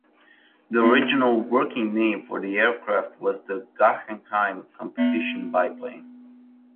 The original working name for the aircraft was the Guggenheim Competition Biplane.